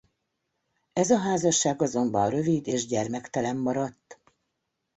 Ez a házasság azonban rövid és gyermektelen maradt.